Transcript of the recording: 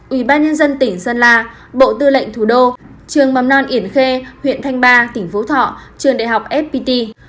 ubnd tỉnh sơn la bộ tư lệnh thủ đô trường mầm non yển khê huyện thanh ba tỉnh phố thọ trường đại học fpt